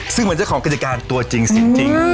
ซึ่งเหมือนจะของกฏิการตัวจริงสินจริง